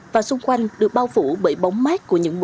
và xung quanh